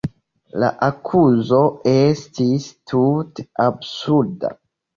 La akuzo estis tute absurda.